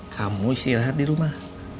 kamu istirahat di rumah